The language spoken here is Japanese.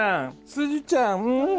すずちゃんん！